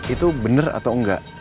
itu bener atau enggak